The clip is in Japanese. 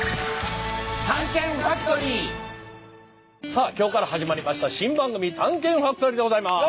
さあ今日から始まりました新番組「探検ファクトリー」でございます！